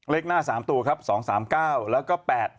เลขหน้า๓ตัวครับ๒๓๙แล้วก็๘๘